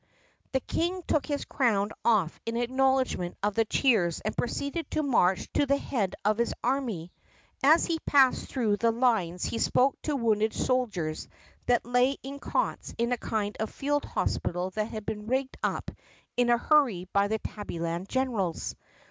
The King took his crown off in acknowledgment of the cheers and proceeded to march to the head of his army. As he passed through the lines he spoke to wounded soldiers that lay in cots in a kind of field hospital that had been rigged up in a hurry by the Tabbyland generals.